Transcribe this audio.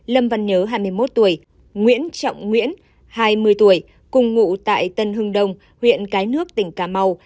lâm văn nhớ nguyễn trọng nguyễn cùng ngụ tại tân hưng đông huyện cái nước tỉnh cà mau